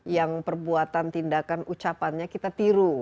yang perbuatan tindakan ucapannya kita tiru